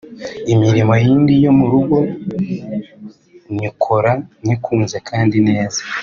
Imirimo yindi yo mu rugo nyikora nyikunze kandi neza